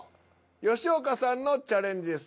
吉岡さんのチャレンジです。